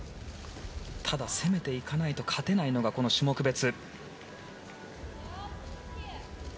ただ、攻めていかないと勝てないのが種目別。